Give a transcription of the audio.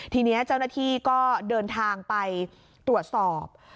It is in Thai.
ทีนี้เจ้าหน้าที่ก็เดินทางไปตรวจสอบ